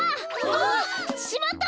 あ！しまった！